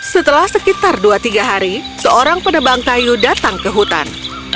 setelah sekitar dua tiga hari seorang penebang kayu datang ke hutan